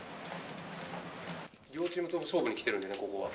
両チームとも勝負にきてるんでね、ここは。